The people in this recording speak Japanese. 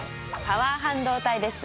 パワー半導体です。